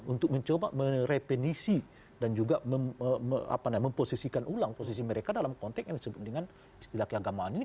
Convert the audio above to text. untuk mencoba merepenisi dan juga memposisikan ulang posisi mereka dalam konteks yang disebut dengan istilah keagamaan ini